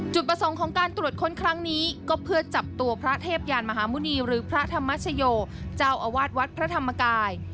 ประสงค์ของการตรวจค้นครั้งนี้ก็เพื่อจับตัวพระเทพยานมหาหมุณีหรือพระธรรมชโยเจ้าอาวาสวัดพระธรรมกาย